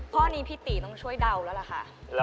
ข้อนี้พี่ตีต้องช่วยเดาแล้วล่ะค่ะ